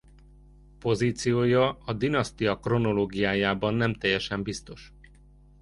Pozíciója a dinasztia kronológiájában nem teljesen biztos.